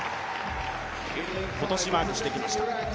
今年マークしてきました。